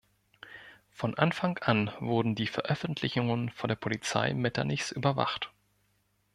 Von Anfang an wurden die Veröffentlichungen von der Polizei Metternichs überwacht.